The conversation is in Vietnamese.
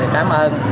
thì cảm ơn